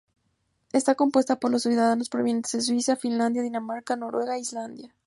Está compuesta por los ciudadanos provenientes de Suecia, Finlandia, Dinamarca, Noruega e Islandia.